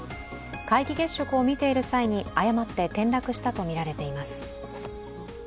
皆既月食を見ている際に誤って転落したとみられています。